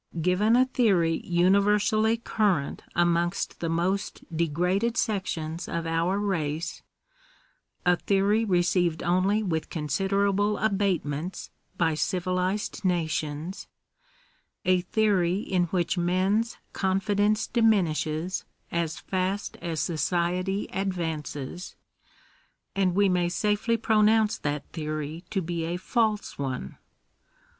Given a theory universally current amongst the most degraded sections of our race — a theory received only with considerable abatements by civilized nations — a theory in which men's con N Digitized by VjOOQIC 178 THE RIGHTS OF CHILDREN. fidence diminishes as fast as society advances — and we may safely pronounoe that theory to be a false one.